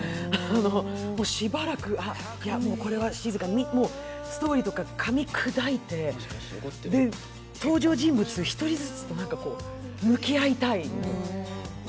しばらく、いや、これは静かにストーリーとかかみ砕いてで、登場人物１人ずつと向き合いたい。